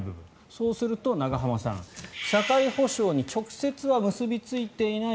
そうすると、永濱さん社会保障に直接は結びついていない